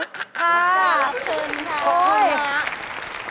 ขอบคุณค่ะ